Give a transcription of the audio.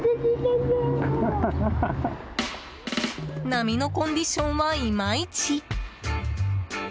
波のコンディションはいまいち。